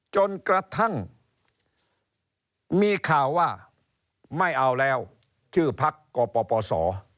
จนกระทั่งมีข่าวว่าไม่เอาแล้วชื่อพักกปศ